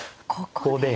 ここで。